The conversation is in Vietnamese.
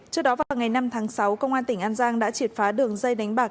trước đó vào ngày năm tháng sáu công an tỉnh an giang đã triệt phá đường dây đánh bạc